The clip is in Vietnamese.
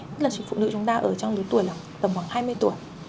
tức là phụ nữ chúng ta ở trong đứa tuổi tầm khoảng hai mươi tuổi